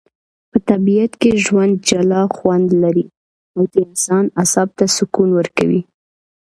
په طبیعت کي ژوند جلا خوندلري.او د انسان اعصاب ته سکون ورکوي